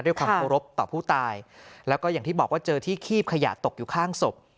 ความเคารพต่อผู้ตายแล้วก็อย่างที่บอกว่าเจอที่คีบขยะตกอยู่ข้างศพ